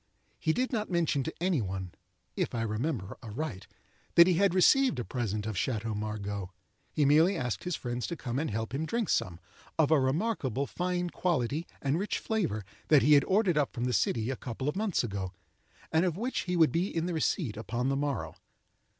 He did not mention to any one—if I remember aright—that he had received a present of Chateau Margaux. He merely asked his friends to come and help him drink some, of a remarkable fine quality and rich flavour, that he had ordered up from the city a couple of months ago, and of which he would be in the receipt upon the morrow.